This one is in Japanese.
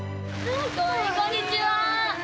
こんにちは。